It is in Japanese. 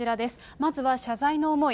まずは謝罪の思い。